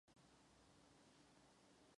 Největším problémem je oddělení plateb.